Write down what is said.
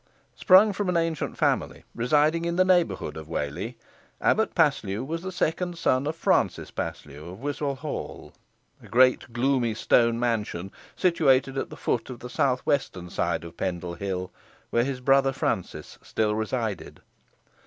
Sprung from an ancient family residing in the neighbourhood Of Whalley, Abbot Paslew was the second son of Francis Paslew Of Wiswall Hall, a great gloomy stone mansion, situated at the foot of the south western side of Pendle Hill, where his brother Francis still resided.